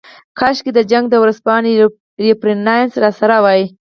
کاشکې د جنګ د ورځپاڼې ریفرنس راسره وای.